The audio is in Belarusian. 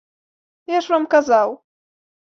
Я ж вам казаў.